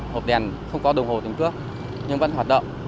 hộp đèn không có đồng hồ tiền cước nhưng vẫn hoạt động